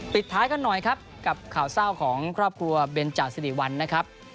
ท้ายกันหน่อยครับกับข่าวเศร้าของครอบครัวเบนจาสิริวัลนะครับ